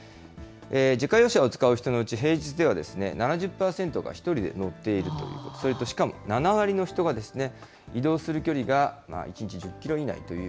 自家用車を使う人のうち、平日では７０％が１人で乗っているという、それとしかも７割の人が移動する距離が１日１０キロ以内とい